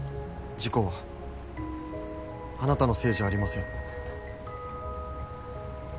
事故はあなたのせいじゃありません。